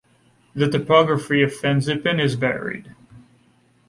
The topography of Fansipan is varied.